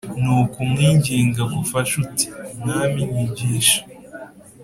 nuko umwinginge agufashe, uti: mwami, nyigisha!